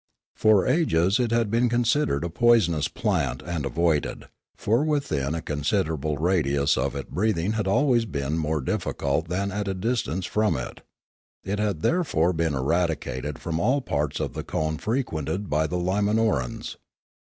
For ages it had been* consid ered a poisonous plant, and avoided; for within a con 324 Limanora siderable radius of it breathing had always been more difficult than at a distance from it; it had therefore been eradicated from all parts of the cone frequented by the Limanorans.